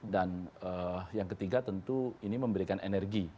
dan yang ketiga tentu ini memberikan energi